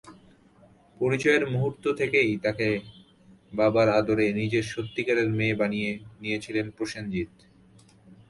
পরিচয়ের মুহূর্ত থেকেই তাকে বাবার আদরে নিজের সত্যিকারের মেয়ে বানিয়ে নিয়েছিলেন প্রসেনজিৎ।